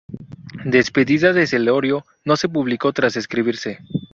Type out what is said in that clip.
Despedida de Celorio no se publicó tras escribirse.